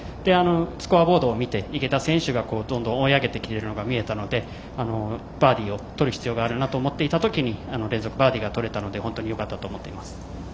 スコアボードを見て池田選手が追い上げているのが見えていたのでバーディーをとる必要があると思っていたときに連続バーディーがとれたので本当によかったと思っています。